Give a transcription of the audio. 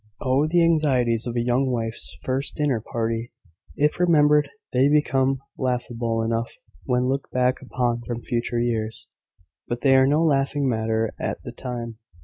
Oh, the anxieties of a young wife's first dinner party! If remembered, they become laughable enough when looked back upon from future years; but they are no laughing matter at the time.